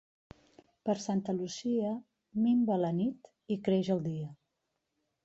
Per Santa Llúcia minva la nit i creix el dia.